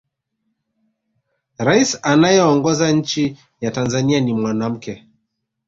rais anayeongoza nchi ya tanzania ni mwanamke